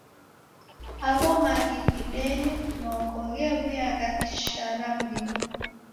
Agho maghi ghidenyi noko ghew'uya gha kisharambio.